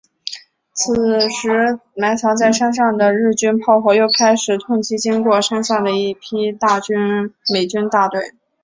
此时埋藏在山上的日军炮火又开始痛击经过山下的一批美军大队。